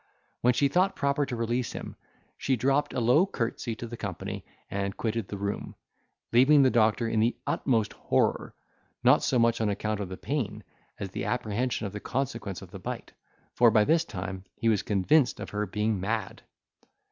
When she thought proper to release him, she dropped a low courtesy to the company, and quitted the room, leaving the doctor in the utmost horror, not so much on account of the pain, as the apprehension of the consequence of the bite; for, by this time, he was convinced of her being mad.